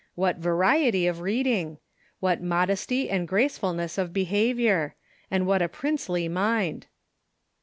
What variety of reading ! What modesty and gracefulness of behavior! And what a princely mind